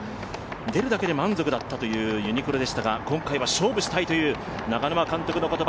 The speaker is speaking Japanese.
出るだけで満足だったというユニクロでしたが、今回は勝負したいという長沼監督の言葉。